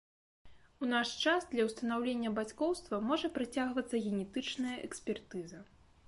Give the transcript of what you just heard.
У наш час для ўстанаўлення бацькоўства можа прыцягвацца генетычная экспертыза.